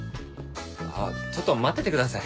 ちょっと待っててください。